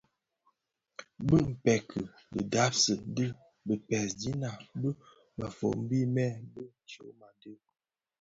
Bi mpërkë dibasi di bisèèdina bi mëfombi më bi tyoma di.